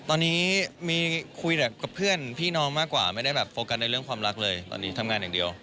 ตอนนี้มีคุยกับเพื่อนพี่น้องมากกว่าไม่ได้แบบโฟกัสในเรื่องความรักเลยตอนนี้ทำงานอย่างเดียว